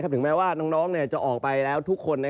ถึงแม้ว่าน้องจะออกไปแล้วทุกคน